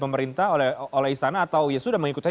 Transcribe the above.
pemerintah oleh sana atau ya sudah